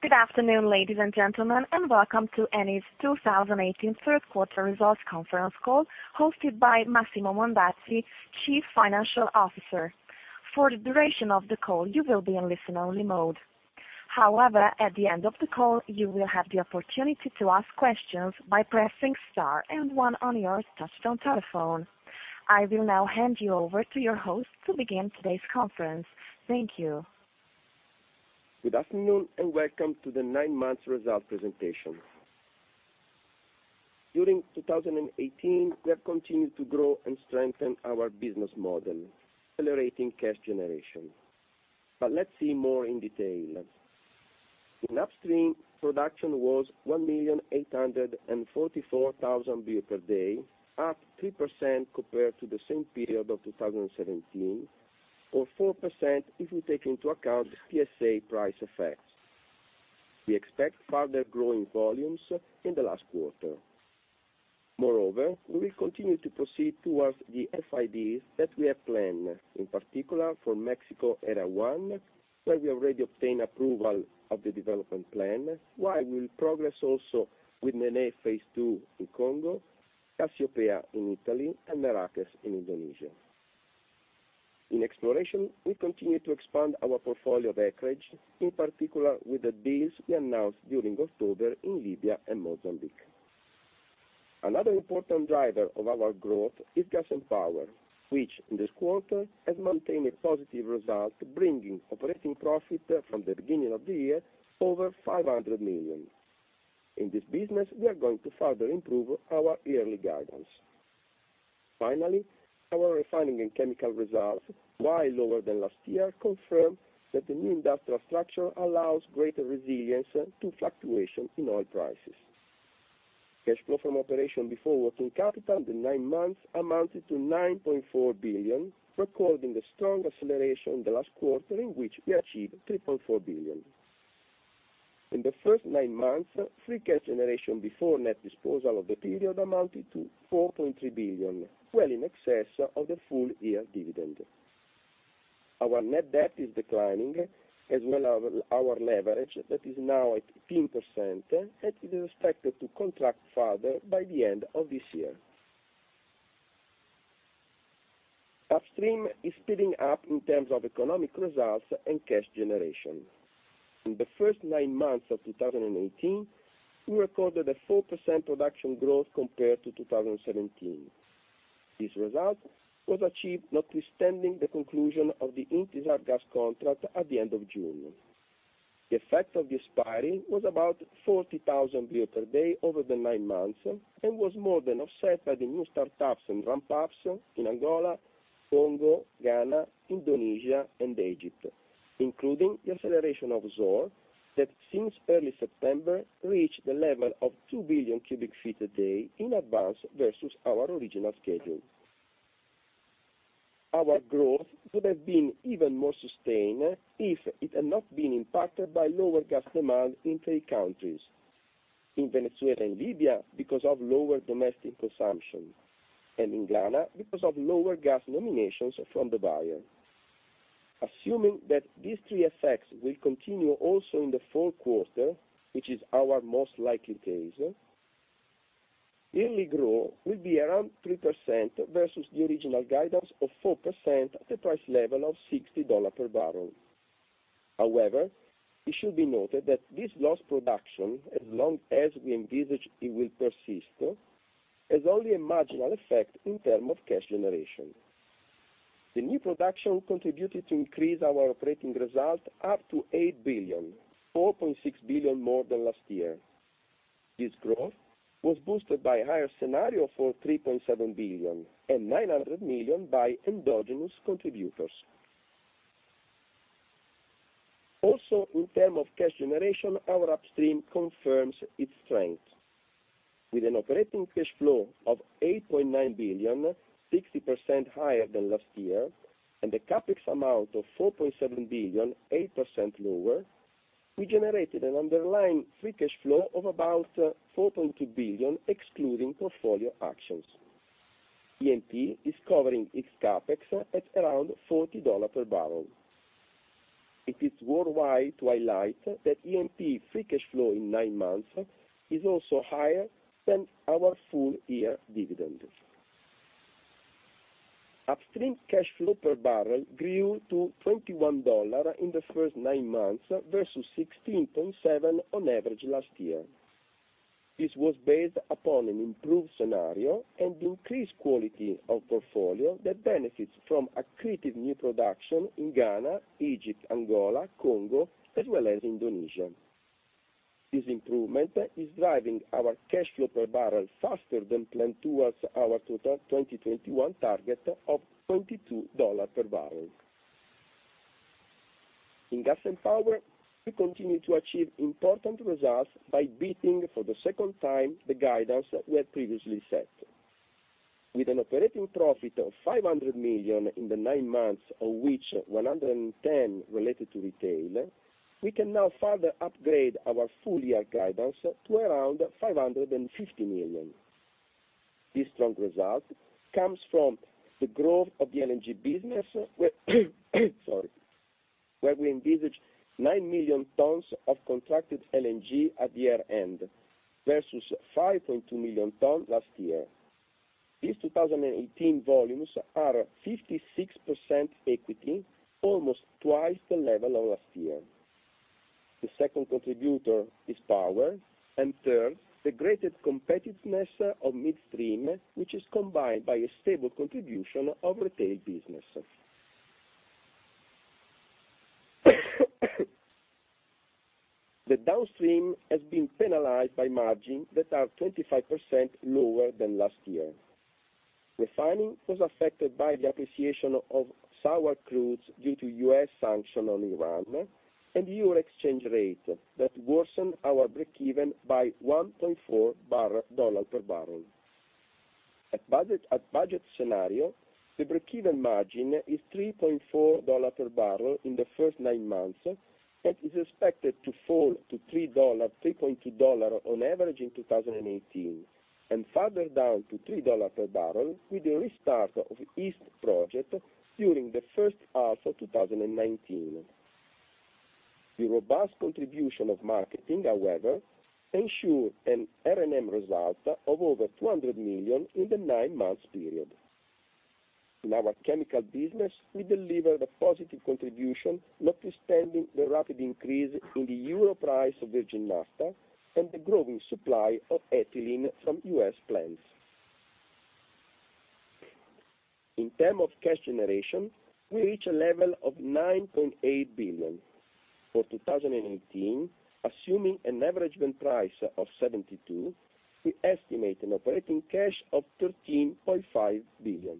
Good afternoon, ladies and gentlemen, and welcome to Eni's 2018 third quarter results conference call hosted by Massimo Mondazzi, Chief Financial Officer. For the duration of the call, you will be in listen-only mode. However, at the end of the call, you will have the opportunity to ask questions by pressing star and one on your touch-tone telephone. I will now hand you over to your host to begin today's conference. Thank you. Good afternoon, and welcome to the nine-month result presentation. During 2018, we have continued to grow and strengthen our business model, accelerating cash generation. Let's see more in detail. In upstream, production was 1,844,000 barrels per day, up 3% compared to the same period of 2017, or 4% if we take into account PSA price effects. We expect further growth in volumes in the last quarter. Moreover, we will continue to proceed towards the FID that we have planned, in particular for Mexico Area 1, where we already obtained approval of the development plan, while we will progress also with Nenè Phase 2 in Congo, Cassiopeia in Italy, and Merakes in Indonesia. In exploration, we continue to expand our portfolio of acreage, in particular with the deals we announced during October in Libya and Mozambique. Another important driver of our growth is gas and power, which in this quarter has maintained a positive result, bringing operating profit from the beginning of the year over 500 million. In this business, we are going to further improve our yearly guidance. Finally, our refining and chemical results, while lower than last year, confirm that the new industrial structure allows greater resilience to fluctuation in oil prices. Cash flow from operations before working capital in the nine months amounted to 9.4 billion, recording a strong acceleration in the last quarter in which we achieved 3.4 billion. In the first nine months, free cash generation before net disposal of the period amounted to 4.3 billion, well in excess of the full-year dividend. Our net debt is declining, as well as our leverage, that is now at 15% and is expected to contract further by the end of this year. Upstream is speeding up in terms of economic results and cash generation. In the first nine months of 2018, we recorded a 4% production growth compared to 2017. This result was achieved notwithstanding the conclusion of the Intisar gas contract at the end of June. The effect of the expiry was about 40,000 barrels per day over the nine months and was more than offset by the new startups and ramp-ups in Angola, Congo, Ghana, Indonesia, and Egypt, including the acceleration of Zohr, that since early September reached the level of 2 billion cubic feet a day in advance versus our original schedule. Our growth could have been even more sustained if it had not been impacted by lower gas demand in three countries. In Venezuela and Libya because of lower domestic consumption, and in Ghana because of lower gas nominations from the buyer. Assuming that these three effects will continue also in the fourth quarter, which is our most likely case, yearly growth will be around 3% versus the original guidance of 4% at the price level of $60 per barrel. However, it should be noted that this lost production, as long as we envisage it will persist, has only a marginal effect in terms of cash generation. The new production contributed to increase our operating result up to 8 billion, 4.6 billion more than last year. This growth was boosted by a higher scenario for 3.7 billion and 900 million by endogenous contributors. Also, in terms of cash generation, our upstream confirms its strength. With an operating cash flow of 8.9 billion, 60% higher than last year, and a CapEx amount of 4.7 billion, 8% lower, we generated an underlying free cash flow of about 4.2 billion, excluding portfolio actions. E&P is covering its CapEx at around $40 per barrel. It is worthwhile to highlight that E&P free cash flow in nine months is also higher than our full-year dividend. Upstream cash flow per barrel grew to $21 in the first nine months versus $16.7 on average last year. This was based upon an improved scenario and increased quality of portfolio that benefits from accretive new production in Ghana, Egypt, Angola, Congo, as well as Indonesia. This improvement is driving our cash flow per barrel faster than planned towards our total 2021 target of $22 per barrel. In gas and power, we continue to achieve important results by beating for the second time the guidance we had previously set. With an operating profit of 500 million in the nine months, of which 110 million related to retail, we can now further upgrade our full-year guidance to around 550 million. This strong result comes from the growth of the LNG business, where we envisage 9 million tons of contracted LNG at the year-end, versus 5.2 million tons last year. These 2018 volumes are 56% equity, almost twice the level of last year. The second contributor is power, and third, the greatest competitiveness of midstream, which is combined by a stable contribution of retail business. The downstream has been penalized by margin that are 25% lower than last year. Refining was affected by the appreciation of sour crudes due to U.S. sanction on Iran, and EUR exchange rate that worsened our breakeven by $1.4 per barrel. At budget scenario, the breakeven margin is $3.4 per barrel in the first nine months, and is expected to fall to $3.2 on average in 2018, and further down to $3 per barrel with the restart of EST project during the first half of 2019. The robust contribution of marketing, however, ensure an R&M result of over 200 million in the nine-month period. In our chemical business, we delivered a positive contribution, notwithstanding the rapid increase in the EUR price of virgin Naphtha, and the growing supply of ethylene from U.S. plants. In term of cash generation, we reach a level of 9.8 billion. For 2018, assuming an average price of $72, we estimate an operating cash of 13.5 billion.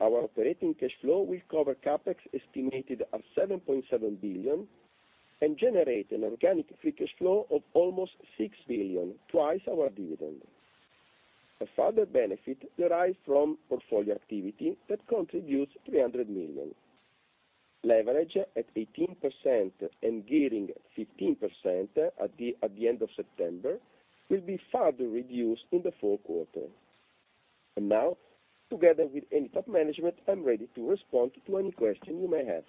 Our operating cash flow will cover CapEx estimated at 7.7 billion, and generate an organic free cash flow of almost 6 billion, twice our dividend. A further benefit derives from portfolio activity that contributes 300 million. Leverage at 18% and gearing 15% at the end of September, will be further reduced in the fourth quarter. Now, together with Eni top management, I am ready to respond to any question you may have.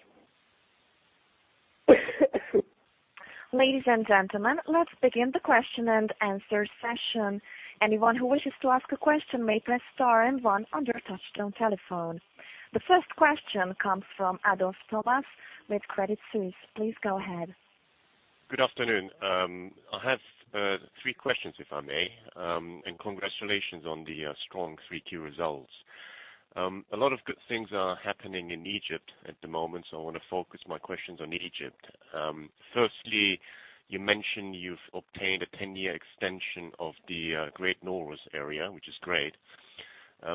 Ladies and gentlemen, let's begin the question and answer session. Anyone who wishes to ask a question may press star and one on their touchtone telephone. The first question comes from Thomas Adolff with Credit Suisse. Please go ahead. Good afternoon. I have three questions, if I may. Congratulations on the strong Q3 results. A lot of good things are happening in Egypt at the moment, so I want to focus my questions on Egypt. Firstly, you mentioned you have obtained a 10-year extension of the Great Nooros area, which is great.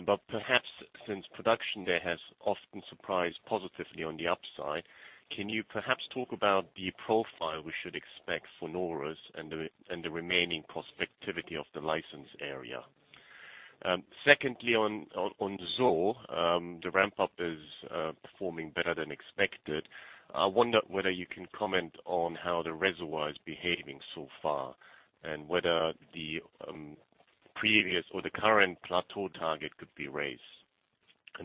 But perhaps since production there has often surprised positively on the upside, can you perhaps talk about the profile we should expect for Nooros and the remaining prospectivity of the license area? Secondly, on Zohr, the ramp-up is performing better than expected. I wonder whether you can comment on how the reservoir is behaving so far, and whether the previous or the current plateau target could be raised.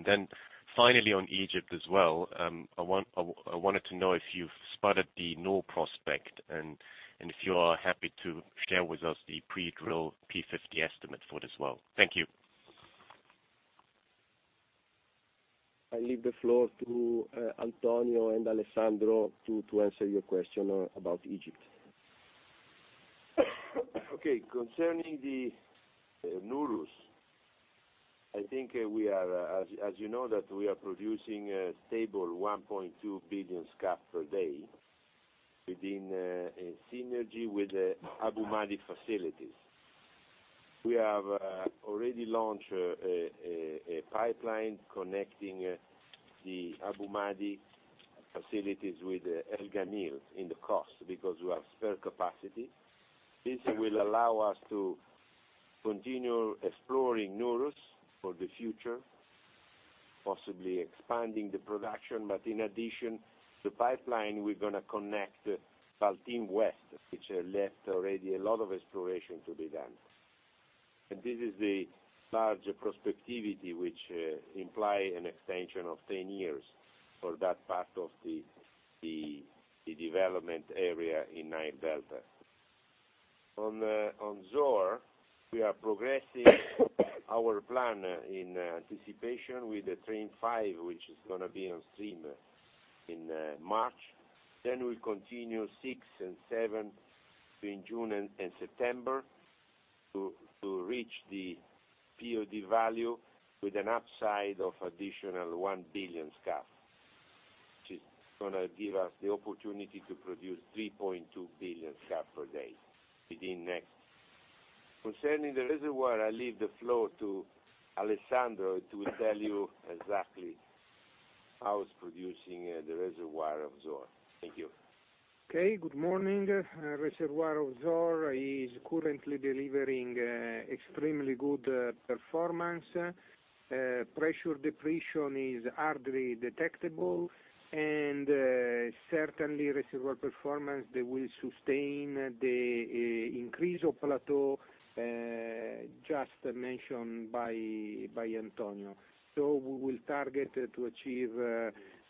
Then finally, on Egypt as well, I wanted to know if you have spotted the Noor prospect, and if you are happy to share with us the pre-drill P50 estimate for it as well. Thank you. I leave the floor to Antonio and Alessandro to answer your question about Egypt. Concerning the Nooros, I think as you know that we are producing a stable 1.2 billion scf per day within synergy with the Abu Madi facilities. We have already launched a pipeline connecting the Abu Madi facilities with El Gamil in the cost because we have spare capacity. This will allow us to continue exploring Nooros for the future, possibly expanding the production. In addition, the pipeline we're going to connect Baltim West, which left already a lot of exploration to be done. This is the large prospectivity which imply an extension of 10 years for that part of the development area in Nile Delta. On Zohr, we are progressing our plan in anticipation with the train five, which is going to be on stream in March. We'll continue six and seven between June and September to reach the POD value with an upside of additional one billion scf, which is going to give us the opportunity to produce 3.2 billion scf per day within next. Concerning the reservoir, I leave the floor to Alessandro to tell you exactly how it's producing, the reservoir of Zohr. Thank you. Good morning. Reservoir of Zohr is currently delivering extremely good performance. Pressure depletion is hardly detectable, and certainly reservoir performance, they will sustain the increase or plateau, just mentioned by Antonio. We will target to achieve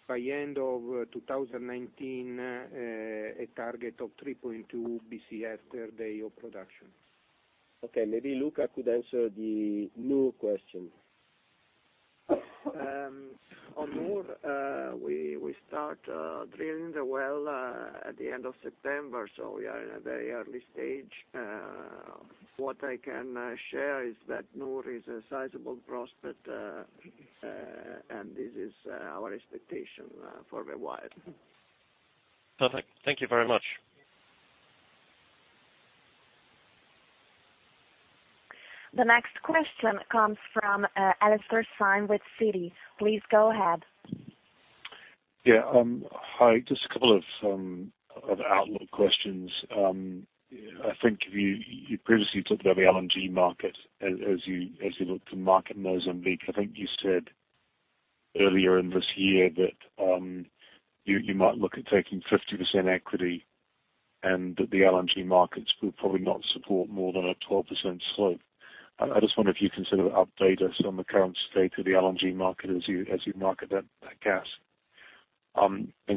by end of 2019, a target of 3.2 Bcf per day of production. Okay, maybe Luca could answer the Noor question. On Noor, we start drilling the well at the end of September. We are in a very early stage. What I can share is that Noor is a sizable prospect. This is our expectation for a while. Perfect. Thank you very much. The next question comes from Alastair Syme with Citi. Please go ahead. Hi, just a couple of outlook questions. I think you previously talked about the LNG market as you look to market Mozambique. I think you said earlier in this year that you might look at taking 50% equity, and that the LNG markets will probably not support more than a 12% slope. I just wonder if you can sort of update us on the current state of the LNG market as you market that gas.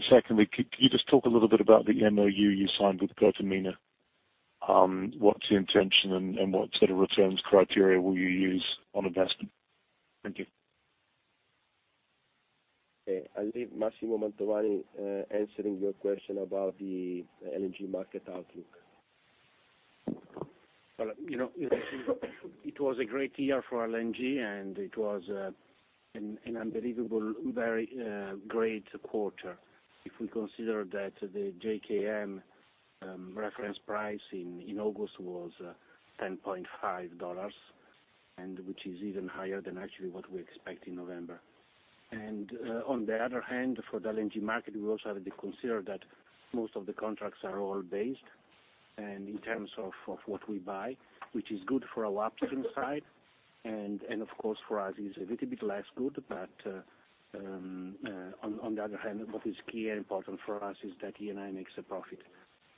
Secondly, could you just talk a little bit about the MOU you signed with Pertamina? What's the intention and what sort of returns criteria will you use on investment? Thank you. I leave Massimo Mantovani answering your question about the LNG market outlook. Well, it was a great year for LNG, and it was an unbelievable, very great quarter. If we consider that the JKM reference price in August was $10.50, which is even higher than actually what we expect in November. On the other hand, for the LNG market, we also have to consider that most of the contracts are oil based, and in terms of what we buy, which is good for our upstream side. Of course, for us is a little bit less good, but on the other hand, what is key and important for us is that Eni makes a profit.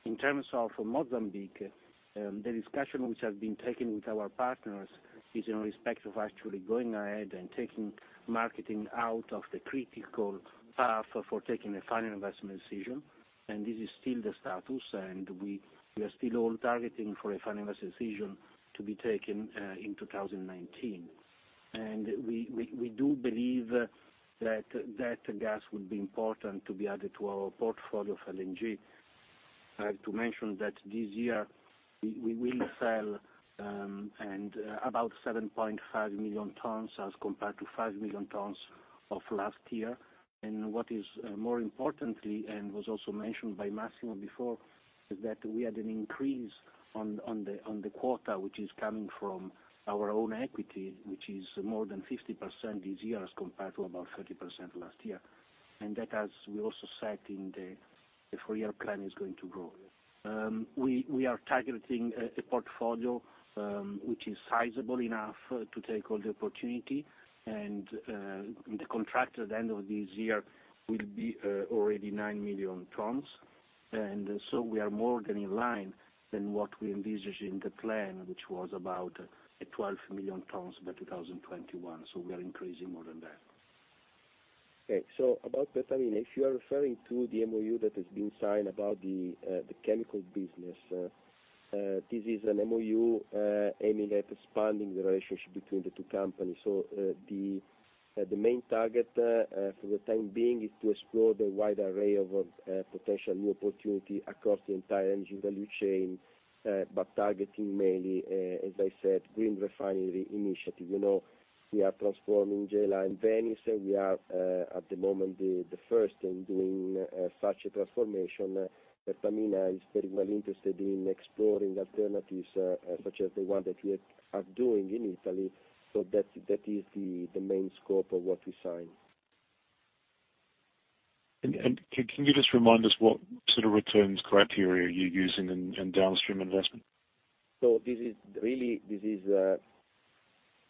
In terms of Mozambique, the discussion which has been taken with our partners is in respect of actually going ahead and taking marketing out of the critical path for taking a final investment decision, this is still the status, and we are still all targeting for a final investment decision to be taken in 2019. We do believe that gas would be important to be added to our portfolio of LNG. I have to mention that this year, we will sell about 7.5 million tons as compared to 5 million tons of last year. What is more importantly, and was also mentioned by Massimo before, is that we had an increase on the quota which is coming from our own equity, which is more than 50% this year as compared to about 30% last year. That, as we also said, in the four-year plan, is going to grow. We are targeting a portfolio which is sizable enough to take all the opportunity, and the contract at the end of this year will be already 9 million tons. We are more getting in line than what we envisaged in the plan, which was about a 12 million tons by 2021. We are increasing more than that. About Pertamina, if you are referring to the MOU that has been signed about the chemical business, this is an MOU aiming at expanding the relationship between the two companies. The main target for the time being is to explore the wide array of potential new opportunity across the entire engine value chain, but targeting mainly, as I said, Green Refinery Initiative. We are transforming Gela and Venice. We are, at the moment, the first in doing such a transformation. Pertamina is very well interested in exploring alternatives, such as the one that we are doing in Italy. That is the main scope of what we signed. Can you just remind us what sort of returns criteria you are using in downstream investment? This is really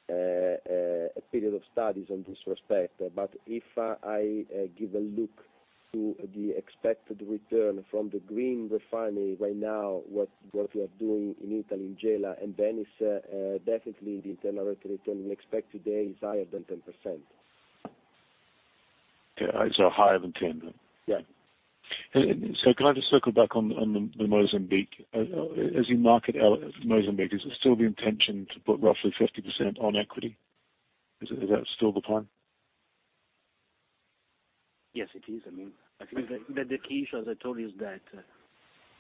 a period of studies on this respect. If I give a look to the expected return from the green refinery right now, what we are doing in Italy, in Gela and Venice, definitely the internal rate of return we expect today is higher than 10%. Okay. Higher than 10, then? Yeah. Can I just circle back on the Mozambique? As you market Mozambique, is it still the intention to put roughly 50% on equity? Is that still the plan? Yes, it is. I think that the key issue, as I told you, is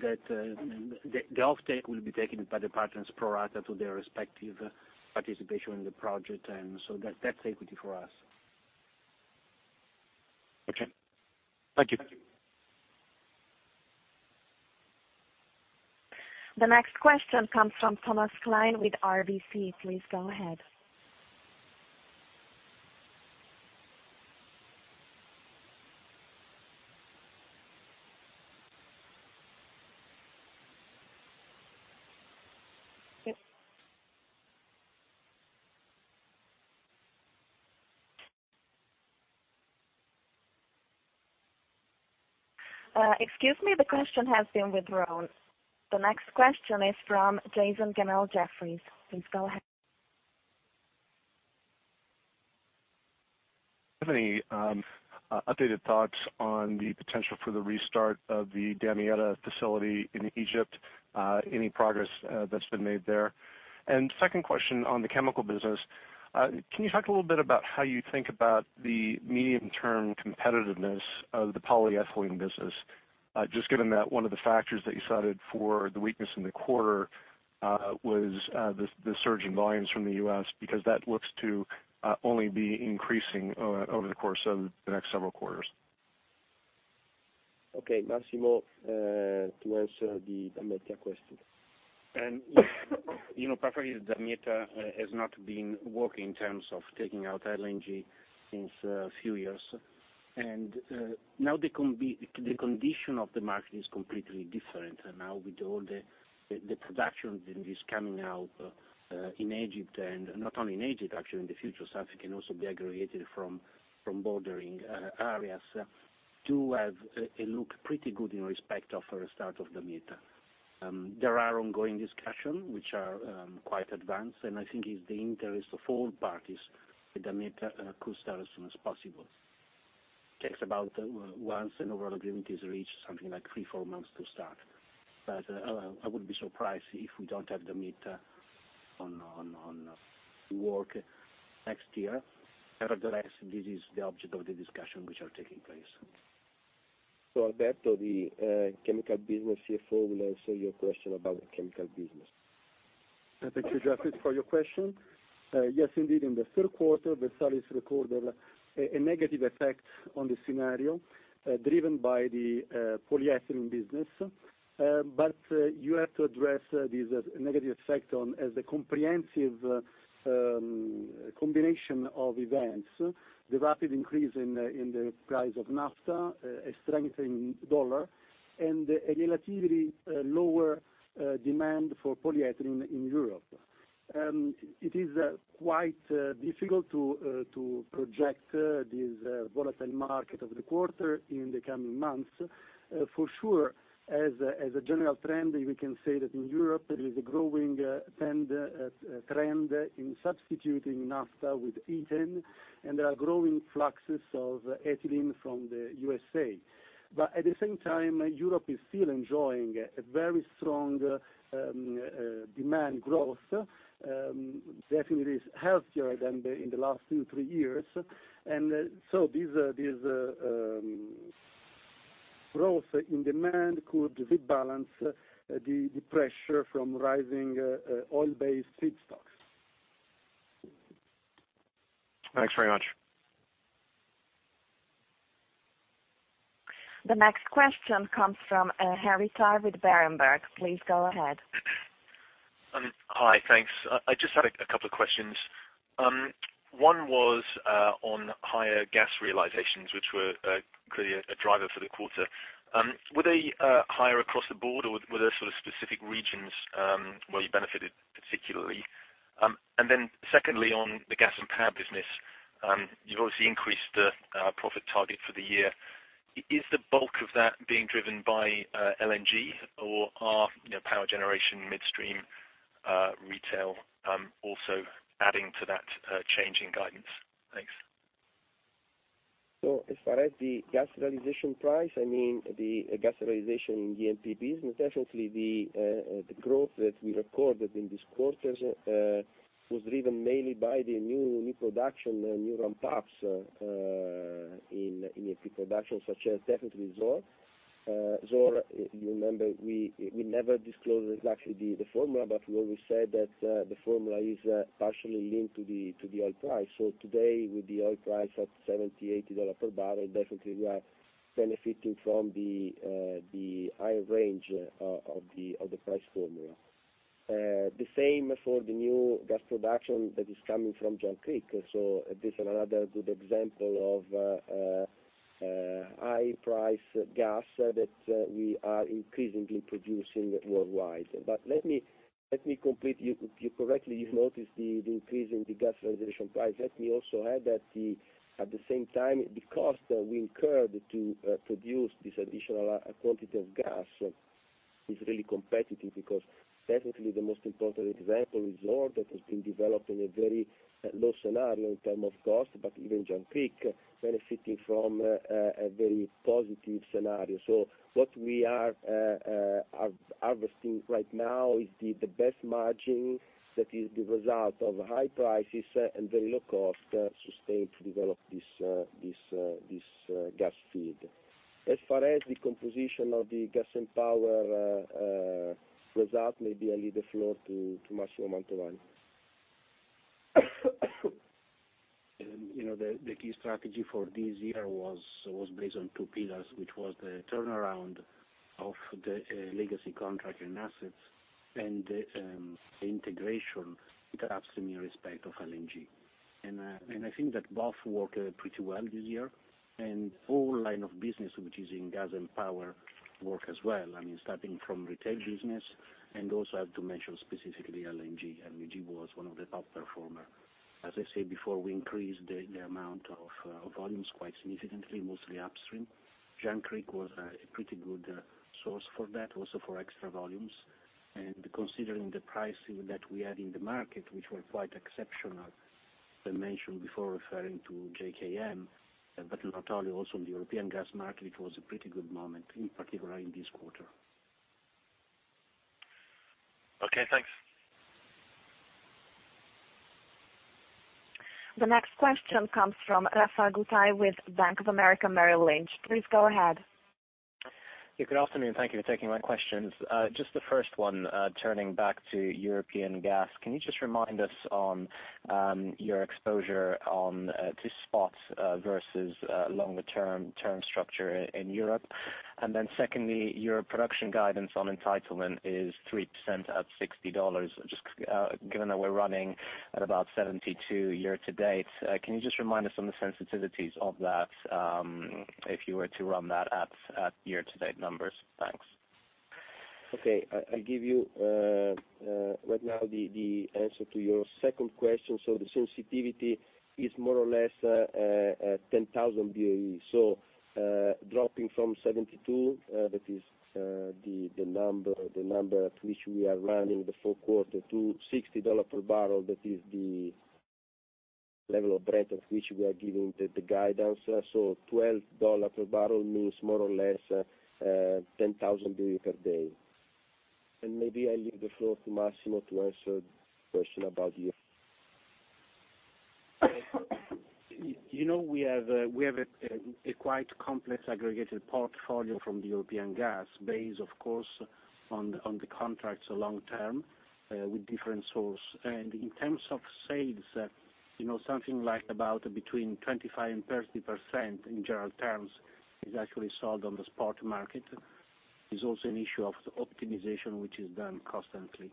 that the offtake will be taken by the partners pro rata to their respective participation in the project, that's equity for us. Okay. Thank you. The next question comes from Thomas Klein with RBC. Please go ahead. Excuse me, the question has been withdrawn. The next question is from Jason Gammel, Jefferies. Please go ahead. Do you have any updated thoughts on the potential for the restart of the Damietta facility in Egypt? Any progress that's been made there? Second question on the chemical business, can you talk a little bit about how you think about the medium-term competitiveness of the polyethylene business, just given that one of the factors that you cited for the weakness in the quarter was the surge in volumes from the U.S., because that looks to only be increasing over the course of the next several quarters. Okay, Massimo, to answer the Damietta question. Partly Damietta has not been working in terms of taking out LNG since a few years. Now the condition of the market is completely different. Now with all the production that is coming out in Egypt, not only in Egypt, actually, in the future, some can also be aggregated from bordering areas, too, have a look pretty good in respect of a restart of Damietta. There are ongoing discussions which are quite advanced, and I think it's the interest of all parties that Damietta could start as soon as possible. Takes about, once an overall agreement is reached, something like three, four months to start. I would be surprised if we don't have Damietta on work next year. At the rest, this is the object of the discussions which are taking place. Alberto, the chemical business CFO, will answer your question about the chemical business. Thank you, Jason, for your question. Yes, indeed, in the third quarter, Versalis recorded a negative effect on the scenario, driven by the polyethylene business. You have to address this negative effect as the comprehensive combination of events, the rapid increase in the price of Naphtha, a strengthening dollar, and a relatively lower demand for polyethylene in Europe. It is quite difficult to project this volatile market of the quarter in the coming months. As a general trend, we can say that in Europe, there is a growing trend in substituting Naphtha with ethane, and there are growing fluxes of ethylene from the USA. At the same time, Europe is still enjoying a very strong demand growth, definitely healthier than in the last two, three years. This growth in demand could rebalance the pressure from rising oil-based feedstocks. Thanks very much. The next question comes from Harry Tyrwhitt, Berenberg. Please go ahead. Hi, thanks. I just had a couple of questions. One was on higher gas realizations, which were clearly a driver for the quarter. Were they higher across the board, or were there sort of specific regions where you benefited particularly? Secondly, on the gas and power business, you've obviously increased the profit target for the year. Is the bulk of that being driven by LNG, or are power generation, midstream, retail, also adding to that change in guidance? Thanks. As far as the gas realization price, the gas realization in the E&P business, definitely the growth that we recorded in this quarter was driven mainly by the new production, new ramp-ups in E&P production, such as definitely Zohr. Zohr, you remember, we never disclosed exactly the formula, but we always said that the formula is partially linked to the oil price. Today, with the oil price at $70, $80 per barrel, definitely we are benefiting from the higher range of the price formula. The same for the new gas production that is coming from Jangkrik. This is another good example of high-price gas that we are increasingly producing worldwide. Let me complete. You correctly, you've noticed the increase in the gas realization price. Let me also add that at the same time, the cost that we incurred to produce this additional quantity of gas is really competitive because definitely the most important example is Zohr, that has been developed in a very low scenario in term of cost, but even Jangkrik, benefiting from a very positive scenario. What we are harvesting right now is the best margin that is the result of high prices and very low cost sustained to develop this gas feed. As far as the composition of the gas and power result, maybe I leave the floor to Massimo Mantovani. The key strategy for this year was based on two pillars, which was the turnaround of the legacy contract and assets and the integration with upstream in respect of LNG. I think that both worked pretty well this year, and all line of business, which is in gas and power work as well. Starting from retail business, and also I have to mention specifically LNG. LNG was one of the top performers. As I said before, I increased the amount of volumes quite significantly, mostly upstream. Jangkrik was a pretty good source for that, also for extra volumes. Considering the pricing that we had in the market, which were quite exceptional, as I mentioned before, referring to JKM, but not only, also in the European gas market, it was a pretty good moment, in particular in this quarter. Okay, thanks. The next question comes from Rafael Gutierrez-Meza with Bank of America Merrill Lynch. Please go ahead. Good afternoon. Thank you for taking my questions. Just the first one, turning back to European gas. Can you just remind us on your exposure on to spot versus longer-term structure in Europe? Secondly, your production guidance on entitlement is 3% at $60. Given that we're running at about $72 year-to-date, can you just remind us on the sensitivities of that, if you were to run that at year-to-date numbers? Thanks. Okay. I give you right now the answer to your second question. The sensitivity is more or less 10,000 BOE. Dropping from $72, that is the number at which we are running the full quarter to $60 per barrel. That is the level of Brent of which we are giving the guidance. $12 per barrel means more or less 10,000 BOE per day. Maybe I leave the floor to Massimo to answer the question about you. We have a quite complex aggregated portfolio from the European gas base, of course, on the contracts long term, with different source. In terms of sales, something like about between 25% and 30% in general terms is actually sold on the spot market. It's also an issue of optimization, which is done constantly.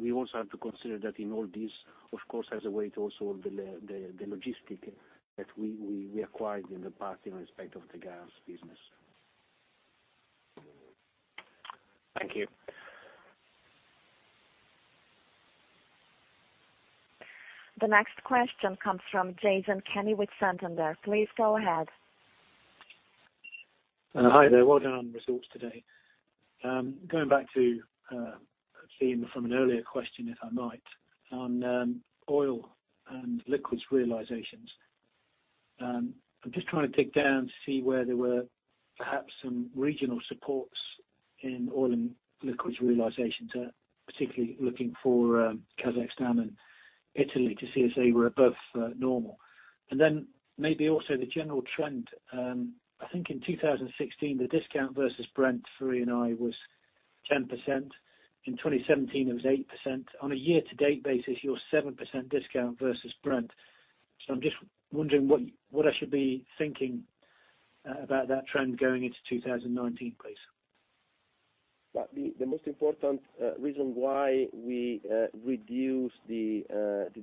We also have to consider that in all this, of course, has a weight also the logistics that we acquired in the past in respect of the gas business. Thank you. The next question comes from Jason Kenney with Santander. Please go ahead. Hi there. Well done on the results today. Going back to a theme from an earlier question, if I might, on oil and liquids realizations. I'm just trying to dig down to see where there were perhaps some regional supports in oil and liquids realizations, particularly looking for Kazakhstan and Italy to see if they were above normal. Then maybe also the general trend. I think in 2016, the discount versus Brent for Eni was 10%. In 2017, it was 8%. On a year-to-date basis, you're 7% discount versus Brent. I'm just wondering what I should be thinking about that trend going into 2019, please. The most important reason why we reduced the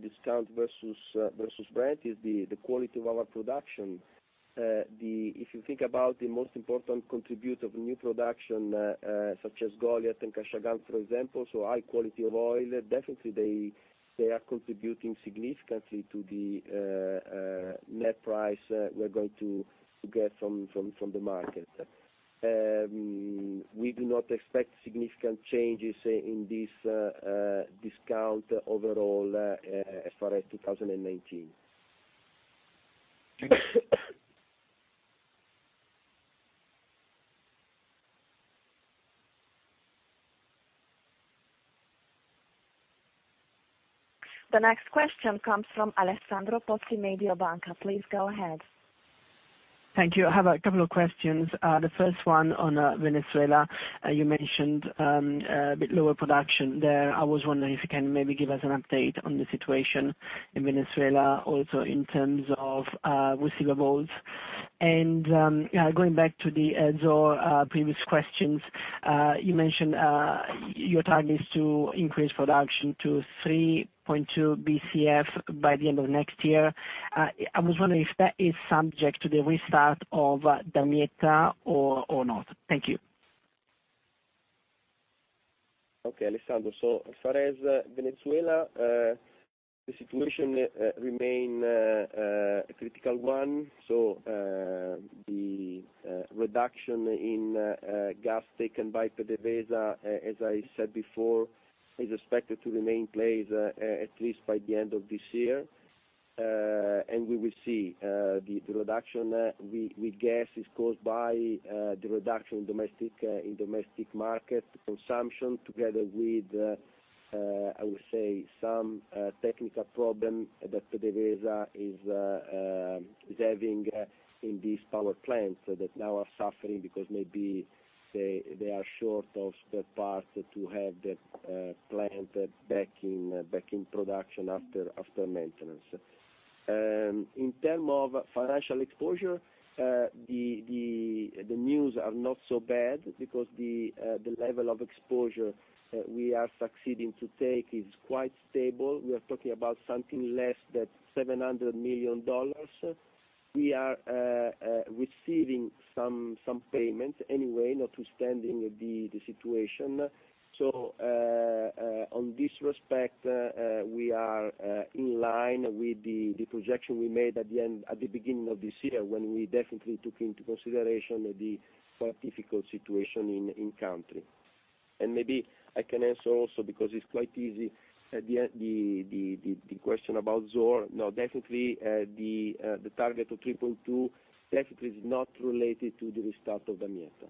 discount versus Brent is the quality of our production. If you think about the most important contribute of new production such as Goliat and Kashagan, for example, so high quality of oil, definitely they are contributing significantly to the net price we're going to get from the market. We do not expect significant changes in this discount overall for 2019. Thank you. The next question comes from Alessandro Pozzi, Mediobanca. Please go ahead. Thank you. I have a couple of questions. The first one on Venezuela. You mentioned a bit lower production there. I was wondering if you can maybe give us an update on the situation in Venezuela, also in terms of receivables. Going back to the previous questions, you mentioned your target is to increase production to 3.2 Bcf by the end of next year. I was wondering if that is subject to the restart of Damietta or not. Thank you. Alessandro. As far as Venezuela, the situation remains a critical one. The reduction in gas taken by PDVSA, as I said before, is expected to remain in place at least by the end of this year. We will see. The reduction with gas is caused by the reduction in domestic market consumption together with, I would say, some technical problem that PDVSA is having in these power plants that now are suffering because maybe they are short of spare parts to have the plant back in production after maintenance. In terms of financial exposure, the news is not so bad because the level of exposure we are succeeding to take is quite stable. We are talking about something less than EUR 700 million. We are receiving some payment anyway, notwithstanding the situation. On this respect, we are in line with the projection we made at the beginning of this year, when we definitely took into consideration the difficult situation in country. And maybe I can answer also, because it's quite easy, the question about Zohr. No, definitely the target of 3.2 definitely is not related to the restart of Damietta.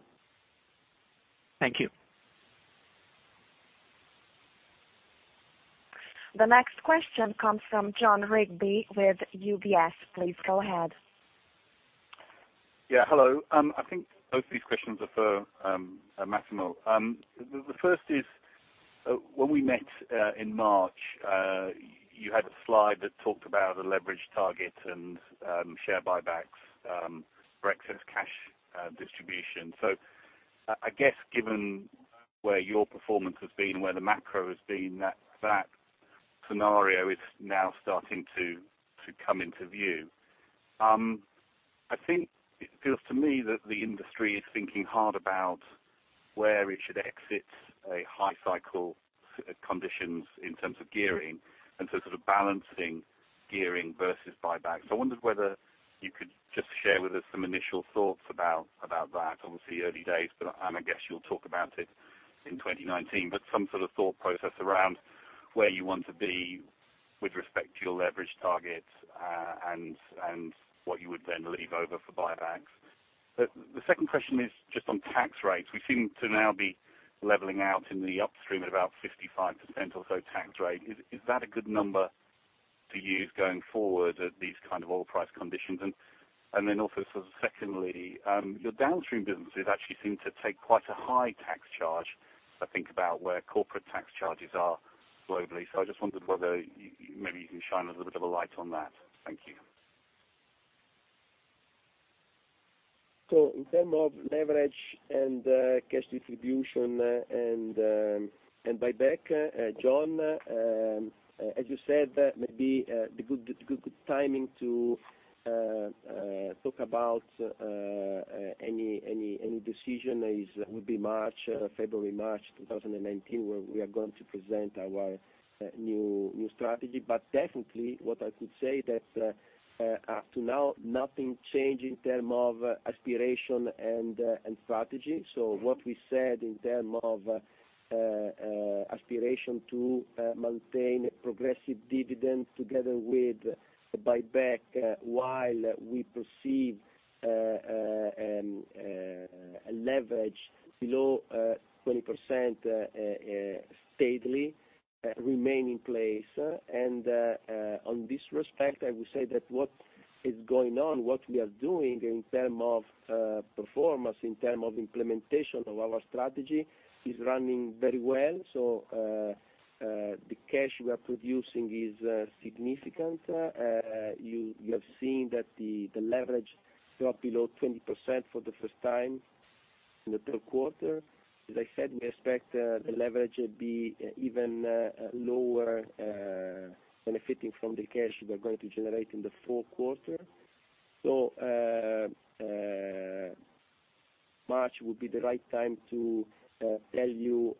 Thank you. The next question comes from Jon Rigby with UBS. Please go ahead. Yeah. Hello. I think both these questions are for Massimo. The first is, when we met in March, you had a slide that talked about a leverage target and share buybacks, breakevens, cash distribution. I guess, given where your performance has been and where the macro has been, that scenario is now starting to come into view. I think it feels to me that the industry is thinking hard about where it should exit a high cycle of conditions in terms of gearing sort of balancing gearing versus buybacks. I wondered whether you could just share with us some initial thoughts about that. Obviously early days, and I guess you'll talk about it in 2019, but some sort of thought process around where you want to be with respect to your leverage targets, and what you would then leave over for buybacks. The second question is just on tax rates. We seem to now be leveling out in the upstream at about 55% or so tax rate. Is that a good number to use going forward at these kind of oil price conditions? Also sort of secondly, your downstream businesses actually seem to take quite a high tax charge, I think, about where corporate tax charges are globally. I just wondered whether maybe you can shine a little bit of a light on that. Thank you. In terms of leverage and cash distribution and buyback, Jon, as you said, maybe the good timing to talk about any decision would be February, March 2019, where we are going to present our new strategy. Definitely what I could say is that up to now, nothing changed in terms of aspiration and strategy. What we said in terms of aspiration to maintain progressive dividend together with the buyback while we perceive a leverage below 20% steadily remain in place. On this respect, I would say that what is going on, what we are doing in terms of performance, in terms of implementation of our strategy, is running very well. The cash we are producing is significant. You have seen that the leverage dropped below 20% for the first time in the third quarter. As I said, we expect the leverage be even lower, benefiting from the cash we are going to generate in the fourth quarter. March will be the right time to tell you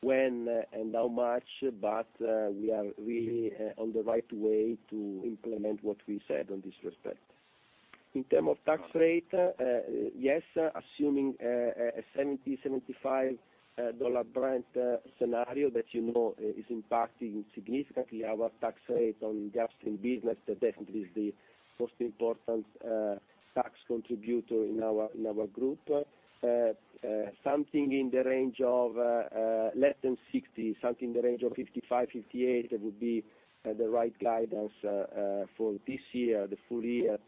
when and how much, but we are really on the right way to implement what we said on this respect. In terms of tax rate, yes, assuming a $70, $75 Brent scenario that you know is impacting significantly our tax rate on downstream business, that definitely is the most important tax contributor in our group. Something in the range of less than 60, something in the range of 55, 58, would be the right guidance for this year, the full year,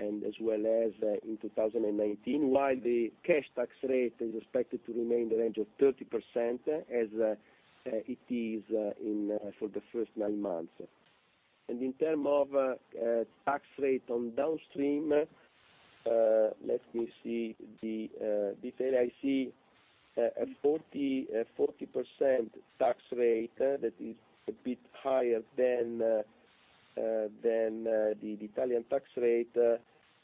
and as well as in 2019, while the cash tax rate is expected to remain in the range of 30% as it is for the first nine months. In terms of tax rate on downstream, let me see the detail. I see a 40% tax rate that is a bit higher than the Italian tax rate.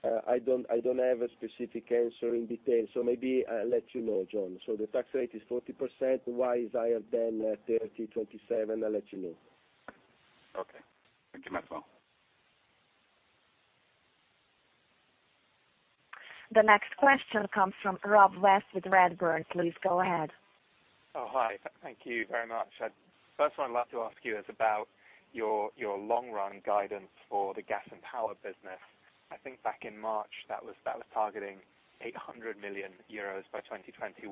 I don't have a specific answer in detail, maybe I'll let you know, Jon. The tax rate is 40%. Why it is higher than 30, 27, I'll let you know. Okay. Thank you, Massimo. The next question comes from Rob West with Redburn. Please go ahead. Hi. Thank you very much. First one I'd like to ask you is about your long-run guidance for the gas and power business. I think back in March, that was targeting 800 million euros by 2021.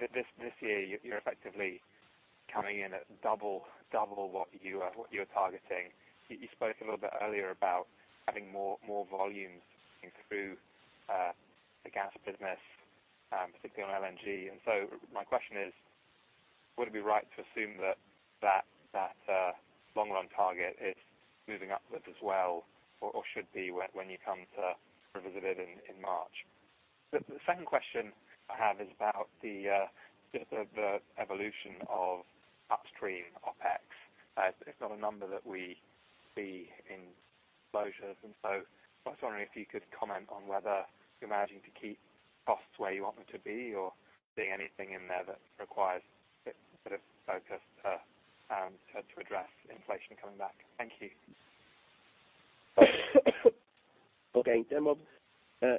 This year, you're effectively coming in at double what you were targeting. You spoke a little bit earlier about having more volumes coming through the gas business, particularly on LNG. My question is, would it be right to assume that long-run target is moving upwards as well, or should be, when you come to revisit it in March? The second question I have is about the evolution of upstream OpEx. It's not a number that we see in closures. I was wondering if you could comment on whether you're managing to keep costs where you want them to be, or seeing anything in there that requires a bit of focus to address inflation coming back. Thank you. Okay. In terms of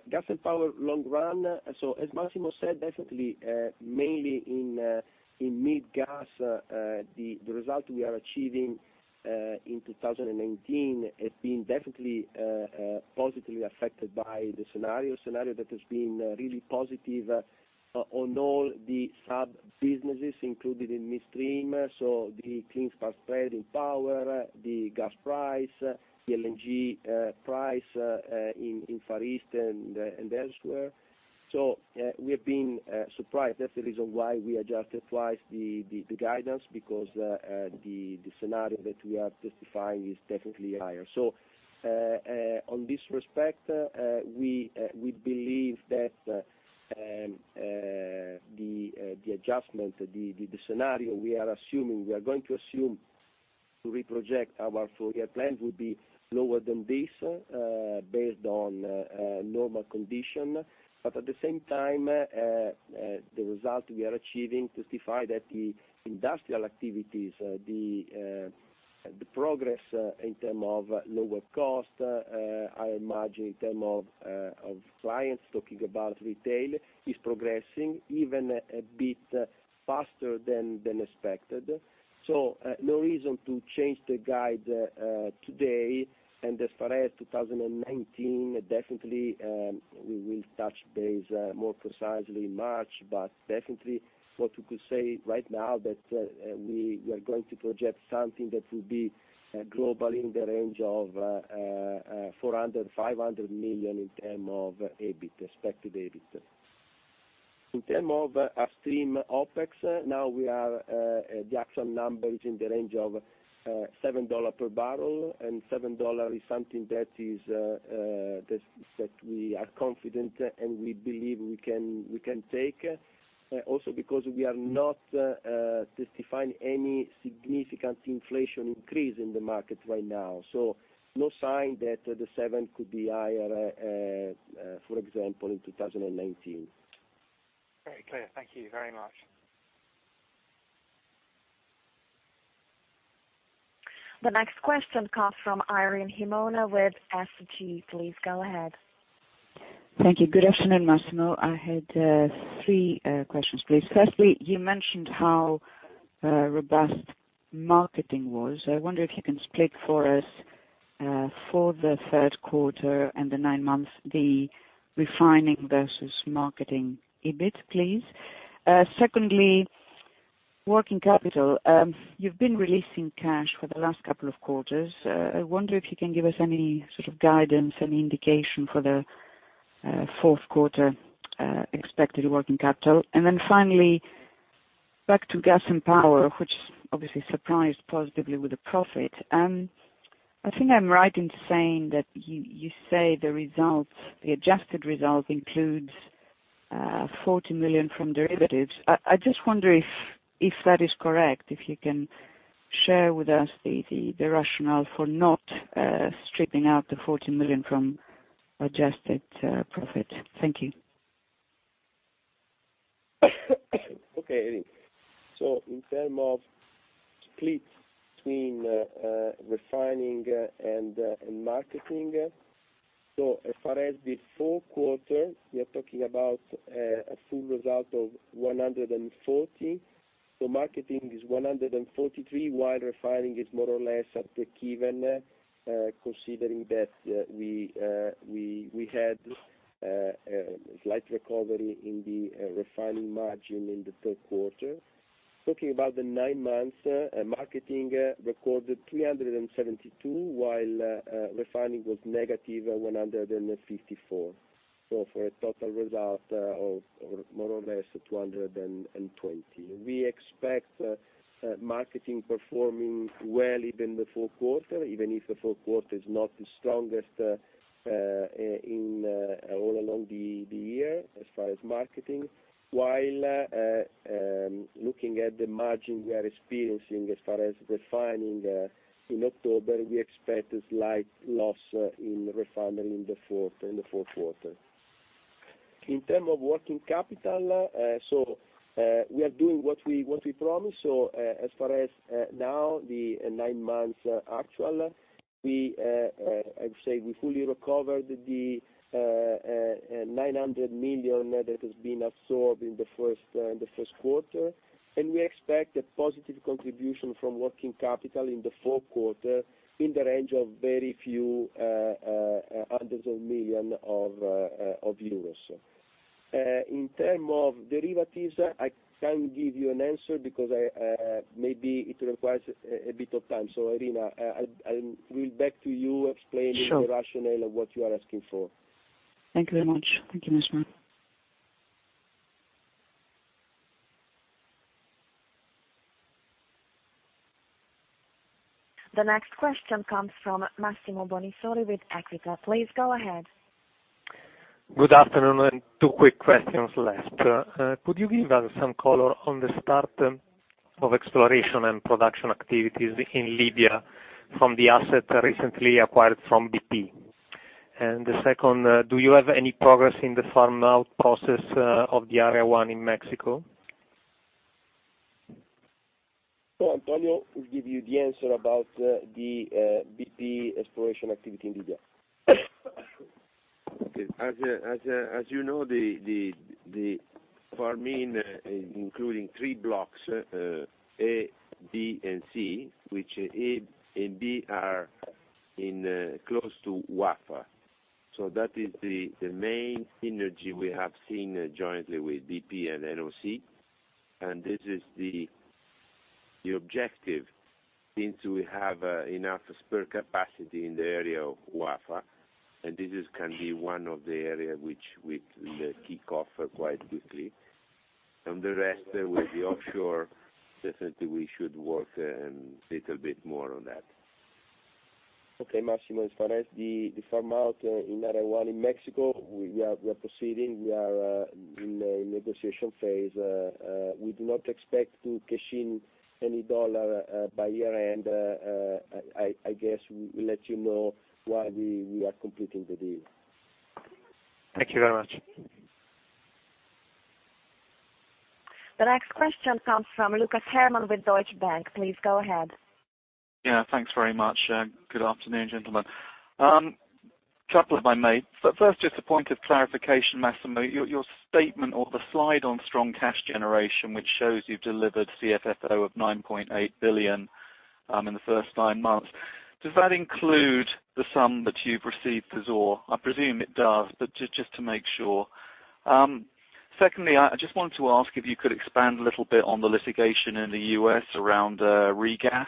Gas and Power long run, as Massimo said, definitely, mainly in mid-gas, the result we are achieving in 2019 has been definitely positively affected by the scenario. Scenario that has been really positive on all the sub-businesses included in midstream, the clean power spread in power, the gas price, the LNG price in Far East and elsewhere. We have been surprised. That's the reason why we adjusted twice the guidance because the scenario that we are testifying is definitely higher. In this respect, we believe that the adjustment, the scenario we are going to assume to re-project our full-year plan, will be lower than this, based on normal condition. At the same time, the result we are achieving testify that the industrial activities, the progress in terms of lower cost, I imagine in terms of clients, talking about retail, is progressing even a bit faster than expected. No reason to change the guide today. As far as 2019, definitely, we will touch base more precisely in March, but definitely what we could say right now that we are going to project something that will be global in the range of 400 million-500 million in terms of EBIT, respective EBIT. In terms of upstream OpEx, now we are the actual numbers in the range of $7 per barrel, $7 is something that we are confident and we believe we can take. Because we are not testifying any significant inflation increase in the market right now. No sign that the 7 could be higher, for example, in 2019. Very clear. Thank you very much. The next question comes from Irene Himona with SG. Please go ahead. Thank you. Good afternoon, Massimo. I had three questions, please. Firstly, you mentioned how robust marketing was. I wonder if you can split for us, for the third quarter and the nine months, the refining versus marketing EBIT, please. Secondly, working capital. You've been releasing cash for the last couple of quarters. I wonder if you can give us any sort of guidance, any indication for the fourth quarter expected working capital. Finally, back to Gas and Power, which obviously surprised positively with a profit. I think I'm right in saying that you say the results, the adjusted results, includes 40 million from derivatives. I just wonder if that is correct, if you can share with us the rationale for not stripping out the 40 million from adjusted profit. Thank you. Okay, Irene. In term of split between refining and marketing. As far as the fourth quarter, we are talking about a full result of 140. Marketing is 143, while refining is more or less at breakeven, considering that we had a slight recovery in the refining margin in the third quarter. Talking about the nine months, marketing recorded 372, while refining was negative 154. For a total result of more or less 220. We expect marketing performing well in the fourth quarter, even if the fourth quarter is not the strongest all along the year, as far as marketing. While looking at the margin we are experiencing as far as refining in October, we expect a slight loss in refinery in the fourth quarter. In term of working capital, we are doing what we promised. As far as now, the nine months actual, I would say we fully recovered the 900 million that has been absorbed in the first quarter. We expect a positive contribution from working capital in the fourth quarter in the range of very few hundreds of million of EUR. In terms of derivatives, I cannot give you an answer because maybe it requires a bit of time. Irene, I will back to you explaining the rationale of what you are asking for. Thank you very much. Thank you, Massimo. The next question comes from Massimo Bonisoli with Equita. Please go ahead. Good afternoon, two quick questions left. Could you give us some color on the start of exploration and production activities in Libya from the asset recently acquired from BP? The second, do you have any progress in the farm-out process of the Area 1 in Mexico? Antonio will give you the answer about the BP exploration activity in Libya. Okay. As you know, the farm-in including three blocks, A, B, and C, which A and B are close to Wafa. That is the main synergy we have seen jointly with BP and NOC. This is the objective, since we have enough spare capacity in the area of Wafa, and this can be one of the areas which we'd kick off quite quickly. The rest, with the offshore, definitely we should work a little bit more on that. Okay, Massimo, as far as the farm-out in Area 1 in Mexico, we are proceeding. We are in the negotiation phase. We do not expect to cash in any EUR by year-end. I guess we'll let you know while we are completing the deal. Thank you very much. The next question comes from Lucas Herrmann with Deutsche Bank. Please go ahead. Yeah. Thanks very much. Good afternoon, gentlemen. A couple if I may. First, just a point of clarification, Massimo, your statement or the slide on strong cash generation, which shows you've delivered CFFO of 9.8 billion in the first nine months, does that include the sum that you've received for Zohr? I presume it does, but just to make sure. Secondly, I just wanted to ask if you could expand a little bit on the litigation in the U.S. around regas.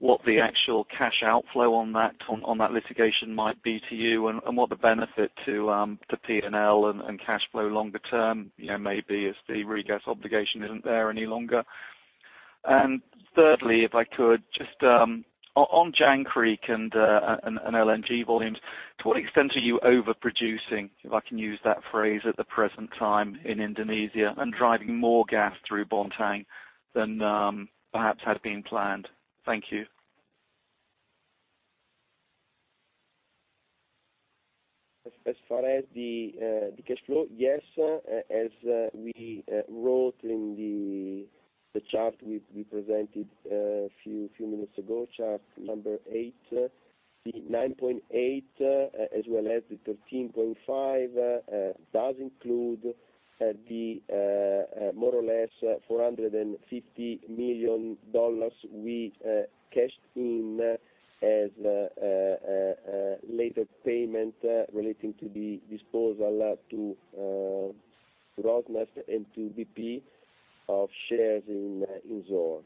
What the actual cash outflow on that litigation might be to you, and what the benefit to P&L and cash flow longer term, maybe as the regas obligation isn't there any longer. Thirdly, if I could, just on Jangkrik and LNG volumes, to what extent are you overproducing, if I can use that phrase at the present time in Indonesia and driving more gas through Bontang than perhaps had been planned? Thank you. As far as the cash flow, yes, as we wrote in the chart we presented a few minutes ago, chart number eight, the 9.8, as well as the 13.5, does include the more or less $450 million we cashed in as a later payment relating to the disposal to Rosneft and to BP of shares in Zohr.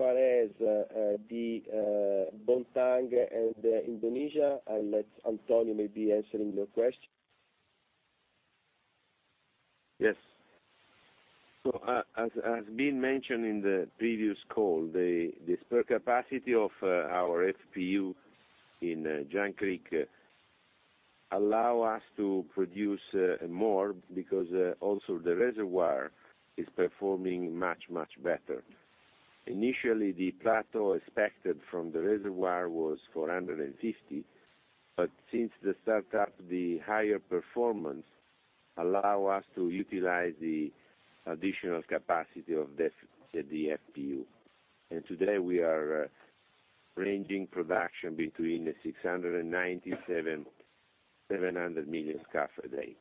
As far as the Bontang and Indonesia, I'll let Antonio maybe answer your question. Yes. As has been mentioned in the previous call, the spare capacity of our FPU in Jangkrik allow us to produce more, because also the reservoir is performing much, much better. Initially, the plateau expected from the reservoir was 450, but since the start of the higher performance allow us to utilize the additional capacity of the FPU. Today we are ranging production between 697, 700 million scf a day.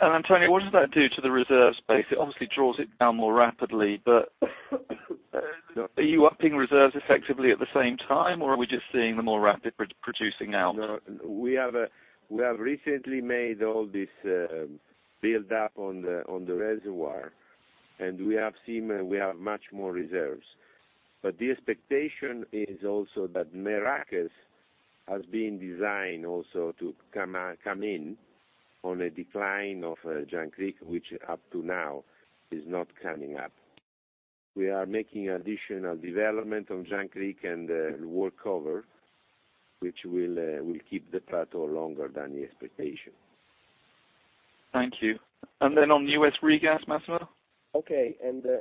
Antonio, what does that do to the reserve space? It obviously draws it down more rapidly, but are you upping reserves effectively at the same time, or are we just seeing the more rapid producing now? We have recently made all this build-up on the reservoir, and we have seen we have much more reserves. The expectation is also that Merakes has been designed also to come in on a decline of Jangkrik, which up to now is not coming up. We are making additional development on Jangkrik and workover, which will keep the plateau longer than the expectation. Thank you. Then on the U.S. regas, Massimo? Okay.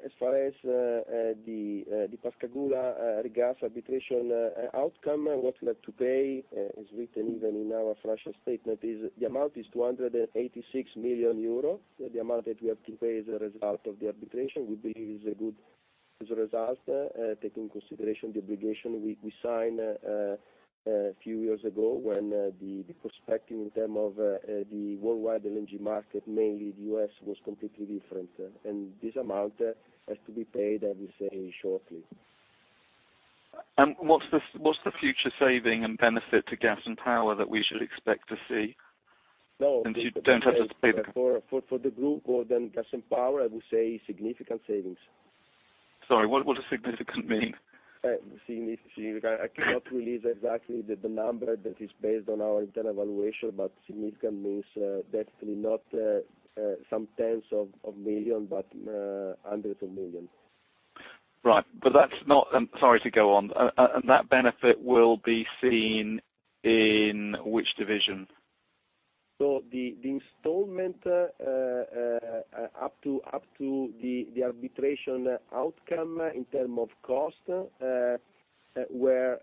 As far as the Pascagoula regas arbitration outcome, what we have to pay is written even in our flash statement is the amount is 286 million euro. The amount that we have to pay as a result of the arbitration, we believe is a good result, taking consideration the obligation we signed a few years ago when the perspective in term of the worldwide LNG market, mainly the U.S., was completely different. This amount has to be paid, I will say, shortly. What's the future saving and benefit to gas and power that we should expect to see? Since you don't have to pay. For the group or then gas and power, I would say significant savings. Sorry, what does significant mean? Significant. I cannot release exactly the number that is based on our internal evaluation, but significant means definitely not some tens of millions, but hundreds of millions. Right. Sorry to go on. That benefit will be seen in which division? The installment up to the arbitration outcome in terms of cost, where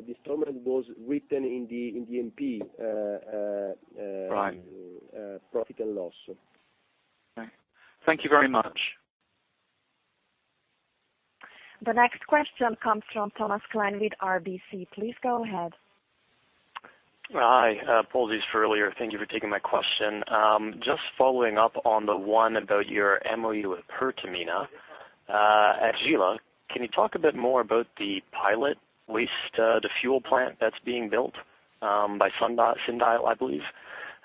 the installment was written in the E&P- Right profit and loss. Okay. Thank you very much. The next question comes from Thomas Klein with RBC. Please go ahead. Hi. Apologies for earlier. Thank you for taking my question. Just following up on the one about your MOU with Pertamina. At Gela, can you talk a bit more about the pilot waste, the fuel plant that's being built, by Syndial, I believe?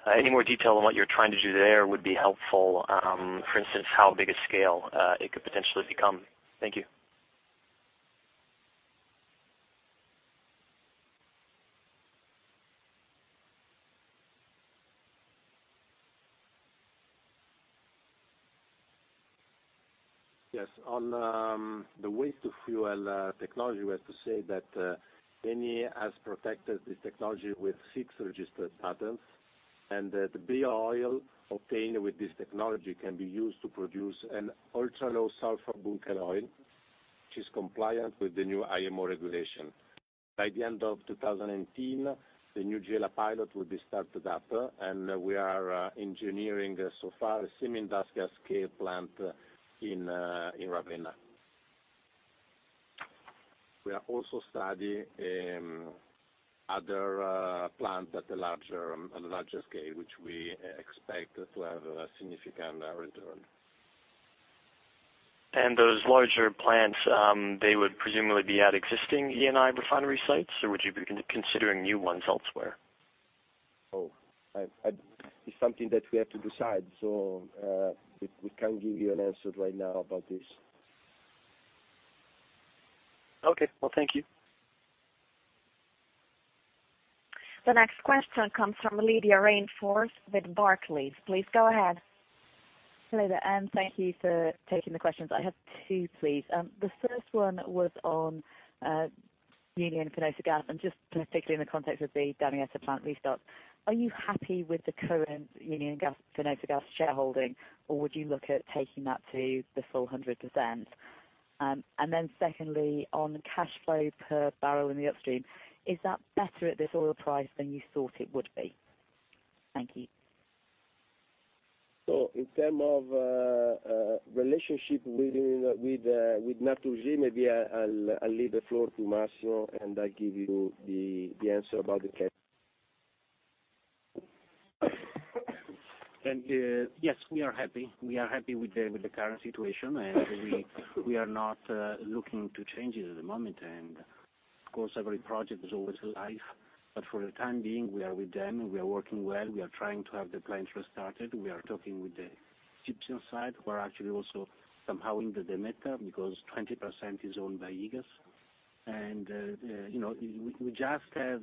Any more detail on what you're trying to do there would be helpful. For instance, how big a scale it could potentially become. Thank you. Yes. On the waste to fuel technology, we have to say that Eni has protected this technology with six registered patents, and that the bio oil obtained with this technology can be used to produce an ultra-low sulfur bunker oil, which is compliant with the new IMO regulation. By the end of 2019, the new Gela pilot will be started up, and we are engineering so far a semi-industrial scale plant in Ravenna. We are also studying other plants at a larger scale, which we expect to have a significant return. Those larger plants, they would presumably be at existing Eni refinery sites, or would you be considering new ones elsewhere? It's something that we have to decide. We can't give you an answer right now about this. Okay. Well, thank you. The next question comes from Lydia Rainforth with Barclays. Please go ahead. Hello there, and thank you for taking the questions. I have two, please. The first one was on Unión Fenosa Gas, and just particularly in the context of the Damietta plant restart. Are you happy with the current Unión Fenosa Gas shareholding, or would you look at taking that to the full 100%? Secondly, on cash flow per barrel in the upstream, is that better at this oil price than you thought it would be? Thank you. In terms of relationship with Naturgy, maybe I'll leave the floor to Massimo, and I'll give you the answer about the cash. Yes, we are happy. We are happy with the current situation, and we are not looking to change it at the moment. Of course, every project is always live. But for the time being, we are with them. We are working well. We are trying to have the plant restarted. We are talking with the Egyptian side, who are actually also somehow in the Damietta, because 20% is owned by EGAS. We just have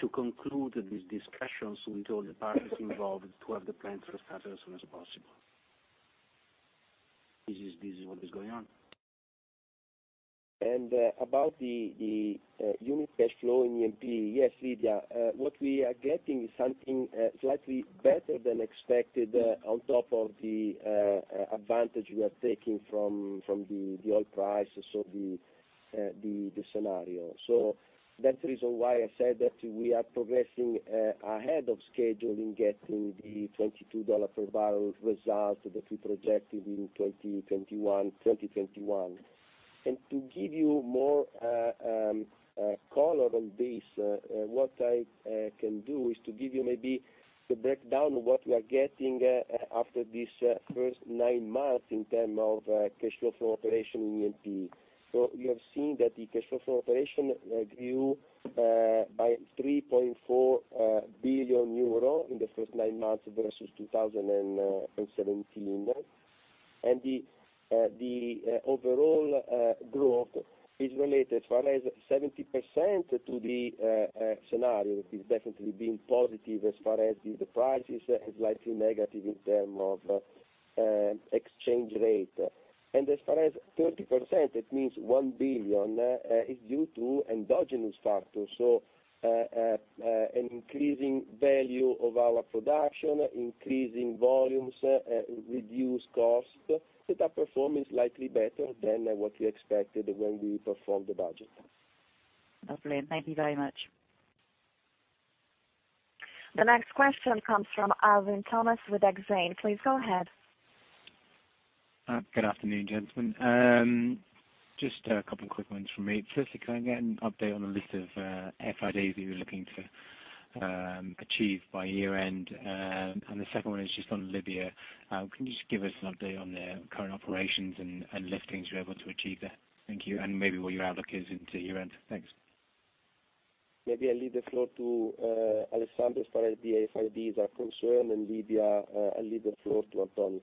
to conclude these discussions with all the parties involved to have the plant restarted as soon as possible. This is what is going on. About the unit cash flow in E&P, yes, Lydia, what we are getting is something slightly better than expected on top of the advantage we are taking from the oil price. The scenario. That's the reason why I said that we are progressing ahead of schedule in getting the EUR 22 per barrel result that we projected in 2021. To give you more color on this, what I can do is to give you maybe the breakdown of what we are getting after these first nine months in terms of cash flow from operation in E&P. You have seen that the cash flow from operation grew by 3.4 billion euro in the first nine months versus 2017. The overall growth is related as far as 70% to the scenario, is definitely being positive as far as the prices, is slightly negative in terms of exchange rate. As far as 30%, it means 1 billion, is due to endogenous factors. An increasing value of our production, increasing volumes, reduced cost. That perform is slightly better than what we expected when we performed the budget. Lovely. Thank you very much. The next question comes from Alvin Thomas with Exane. Please go ahead. Good afternoon, gentlemen. Just a couple of quick ones from me. Firstly, can I get an update on the list of FID that you're looking to achieve by year-end? The second one is just on Libya. Can you just give us an update on the current operations and liftings you're able to achieve there? Thank you. Maybe what your outlook is into year-end. Thanks. Maybe I leave the floor to Alessandro as far as the FIDs are concerned, and Libya, I leave the floor to Antonio.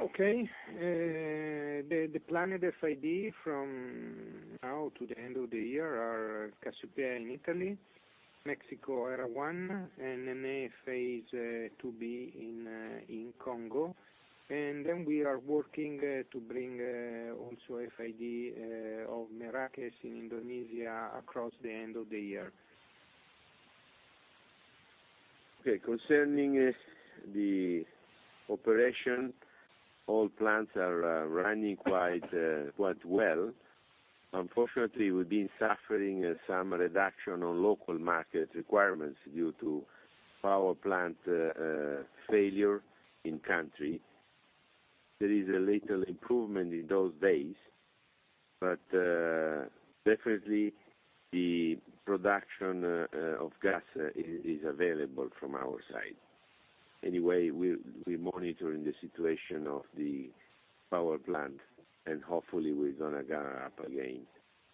Okay. The planned FID from now to the end of the year are Cassiopea in Italy, Mexico Area 1, and Nené Phase 2B in Congo. We are working to bring also FID of Merakes in Indonesia across the end of the year. Okay, concerning the operation, all plants are running quite well. Unfortunately, we've been suffering some reduction on local market requirements due to power plant failure in country. There is a little improvement in those days, but definitely the production of gas is available from our side. Anyway, we're monitoring the situation of the power plant, and hopefully we're going to gather up again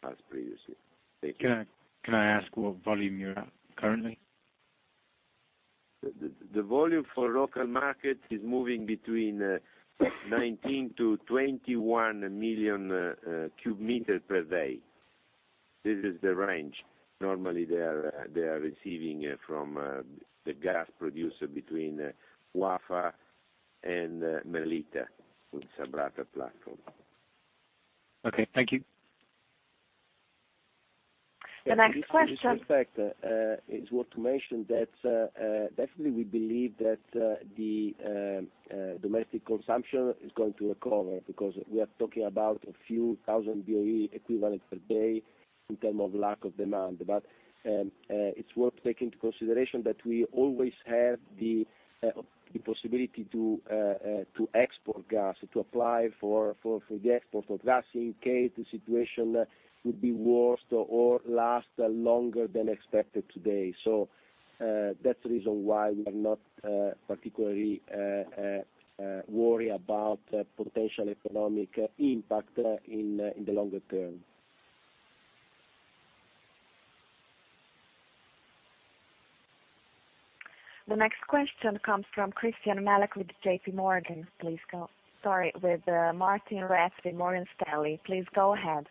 as previously. Thank you. Can I ask what volume you're at currently? The volume for local market is moving between 19 to 21 million cubic meter per day. This is the range. Normally, they are receiving from the gas producer between Wafa and Mellitah with Sabratha platform. Okay. Thank you. The next question. In this respect, it's worth to mention that definitely we believe that the domestic consumption is going to recover, because we are talking about a few thousand BOE equivalent per day in term of lack of demand. It's worth taking into consideration that we always have the possibility to export gas, to apply for the export of gas in case the situation would be worse or last longer than expected today. That's the reason why we are not particularly worried about potential economic impact in the longer term. The next question comes from Christyan Malek with J.P. Morgan. Please go with Martijn Rats with Morgan Stanley. Please go ahead.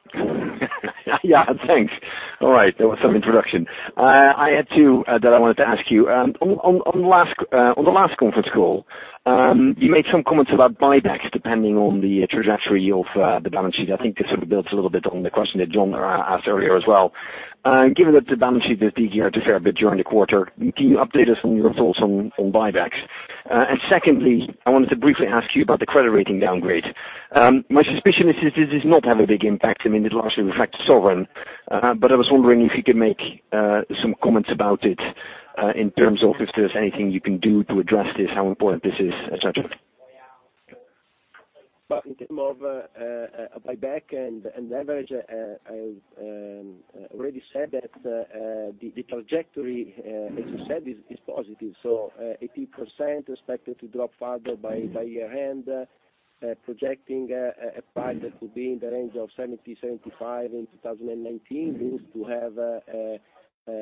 Yeah, thanks. All right. That was some introduction. I had two that I wanted to ask you. On the last conference call, you made some comments about buybacks depending on the trajectory of the balance sheet. I think this sort of builds a little bit on the question that Jon asked earlier as well. Given that the balance sheet has degeared a fair bit during the quarter, can you update us on your thoughts on buybacks? Secondly, I wanted to briefly ask you about the credit rating downgrade. My suspicion is this does not have a big impact. I mean, it largely reflects sovereign. I was wondering if you could make some comments about it, in terms of if there's anything you can do to address this, how important this is, et cetera. Well, in terms of buyback and leverage, I already said that the trajectory, as you said, is positive. 18% expected to drop further by year-end, projecting a buyback could be in the range of 70-75 in 2019. We hope to have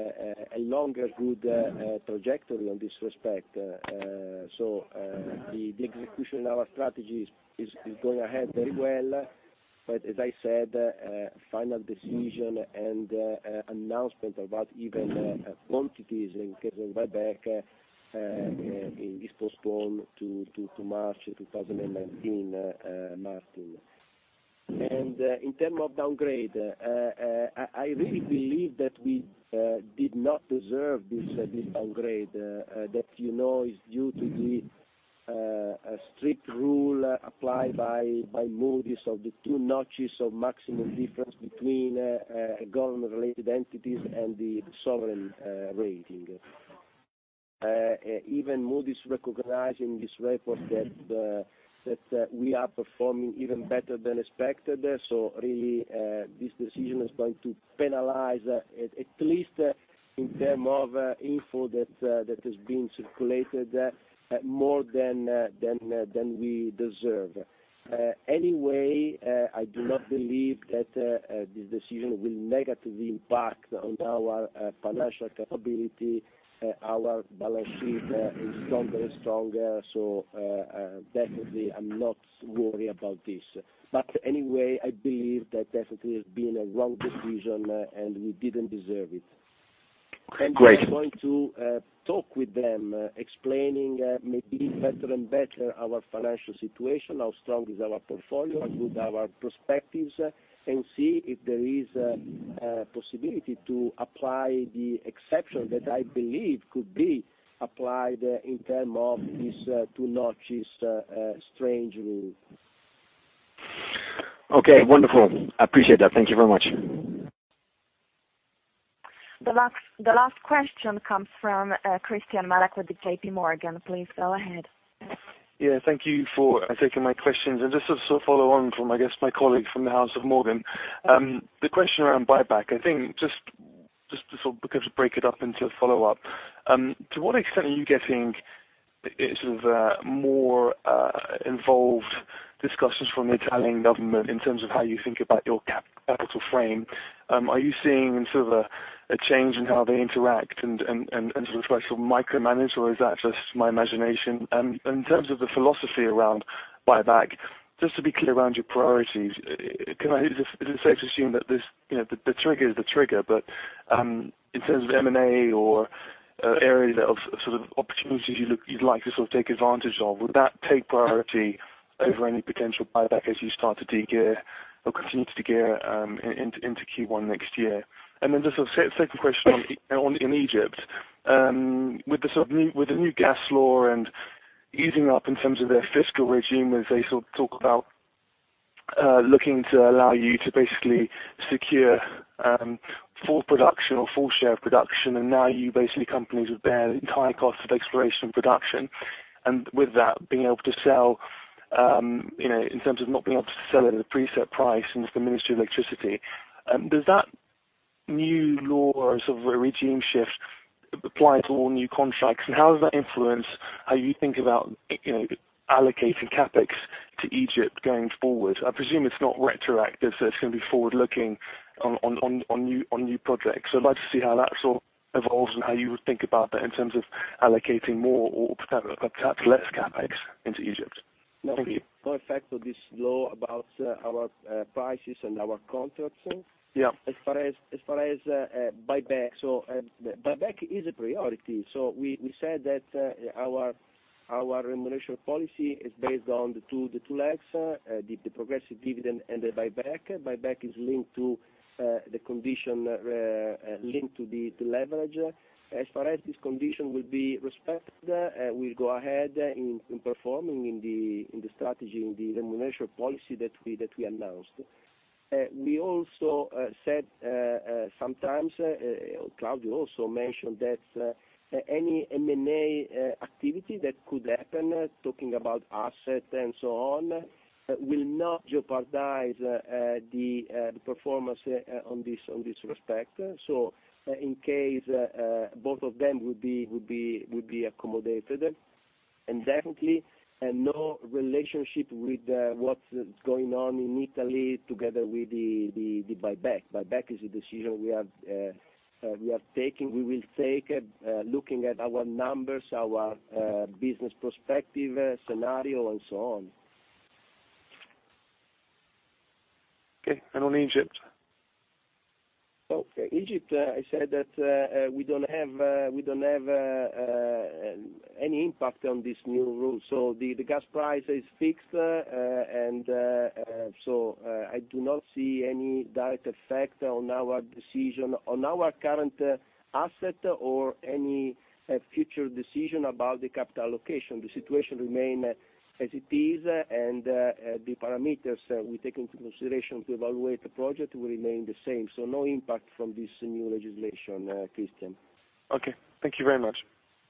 a longer, good trajectory on this respect. The execution of our strategy is going ahead very well. As I said, final decision and announcement about even quantities in case of buyback is postponed to March 2019, Martijn. In terms of downgrade, I really believe that we did not deserve this downgrade, that you know is due to the strict rule applied by Moody's of the two notches of maximum difference between government-related entities and the sovereign rating. Even Moody's recognizing this report that we are performing even better than expected. Really, this decision is going to penalize, at least in terms of info that has been circulated, more than we deserve. Anyway, I do not believe that this decision will negatively impact on our financial capability. Our balance sheet is stronger and stronger. Definitely, I'm not worried about this. Anyway, I believe that definitely has been a wrong decision, and we didn't deserve it. Great. We are going to talk with them, explaining maybe better and better our financial situation, how strong is our portfolio, how good our perspectives, and see if there is a possibility to apply the exception that I believe could be applied in terms of this two notches strange rule. Okay, wonderful. I appreciate that. Thank you very much. The last question comes from Christyan Malek with J.P. Morgan. Please go ahead. Yeah, thank you for taking my questions. Just to sort of follow on from, I guess my colleague from the House of J.P. Morgan. The question around buyback, I think just to break it up into a follow-up. To what extent are you getting sort of more involved discussions from the Italian government in terms of how you think about your capital frame? Are you seeing sort of a change in how they interact and sort of try to micromanage, or is that just my imagination? In terms of the philosophy around buyback, just to be clear around your priorities, is it safe to assume that the trigger is the trigger, but in terms of M&A or areas of opportunities you'd like to take advantage of, would that take priority over any potential buyback as you start to de-gear or continue to de-gear into Q1 next year? Just a second question in Egypt. With the new gas law and easing up in terms of their fiscal regime, as they talk about looking to allow you to basically secure full production or full share of production, companies would bear the entire cost of exploration and production. With that, being able to sell, in terms of not being able to sell it at a preset price into the Ministry of Electricity. Does that new law or sort of a regime shift apply to all new contracts? How does that influence how you think about allocating CapEx to Egypt going forward? I presume it's not retroactive, so it's going to be forward-looking on new projects. I'd like to see how that sort of evolves and how you would think about that in terms of allocating more or perhaps less CapEx into Egypt. Thank you. No effect of this law about our prices and our contracts. Yeah. As far as buyback is a priority. We said that our remuneration policy is based on the two legs, the progressive dividend, and the buyback. Buyback is linked to the condition, linked to the leverage. As far as this condition will be respected, we'll go ahead in performing in the strategy, in the remuneration policy that we announced. We also said sometimes, Claudio also mentioned that any M&A activity that could happen, talking about asset and so on, will not jeopardize the performance on this respect. In case, both of them would be accommodated, and definitely, no relationship with what's going on in Italy together with the buyback. Buyback is a decision we will take looking at our numbers, our business perspective, scenario, and so on. Okay. On Egypt? Okay. Egypt, I said that we don't have any impact on this new rule. The gas price is fixed, I do not see any direct effect on our decision, on our current asset or any future decision about the capital allocation. The situation remain as it is, the parameters we take into consideration to evaluate the project will remain the same. No impact from this new legislation, Christyan. Okay. Thank you very much.